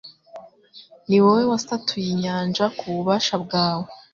Ni wowe wasatuye inyanja ku bubasha bwawe